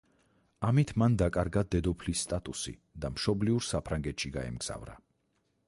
ამით მან დაკარგა დედოფლის სტატუსი და მშობლიურ საფრანგეთში გაემგზავრა.